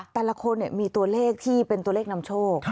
แต่ละคนมีตัวเลขที่เป็นตัวเลขนำโชค